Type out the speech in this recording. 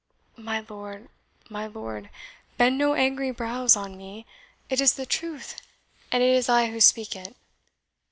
My lord, my lord, bend no angry brows on me; it is the truth, and it is I who speak it.